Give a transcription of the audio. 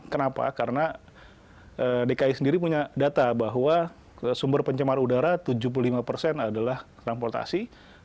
kenapa karena dki sendiri punya data bahwa sumber pencemar udara tujuh puluh lima persen adalah transportasi